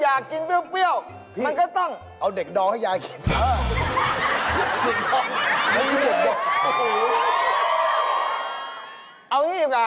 ยายหน่อไม้ดองเอาไหม